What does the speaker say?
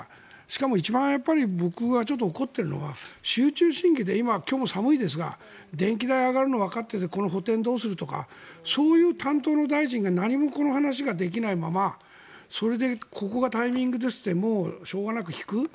しかも一番僕が怒っているのは集中審議で、今日も寒いですが電気代が上がるのがわかっていてこの補てんをどうするとかそういう担当の大臣が何もこの話ができないままそれでここがタイミングですってしょうがなく引く。